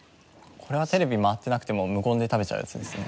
これはテレビ回ってなくても無言で食べちゃうやつですね。